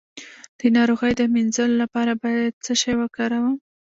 د ناروغۍ د مینځلو لپاره باید څه شی وکاروم؟